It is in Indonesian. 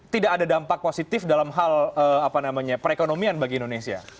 tidak ada dampak positif dalam hal perekonomian bagi indonesia